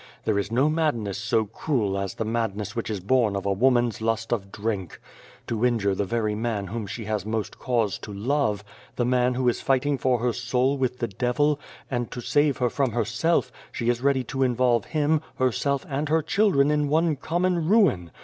There is no madness so cruel as the madness which is born of a woman's lust of drink. To injure the very man whom she has most cause to love, the man who is fighting for her soul with the devil, and to save her from herself, she is ready to involve him, herself, and her children in one common ruin.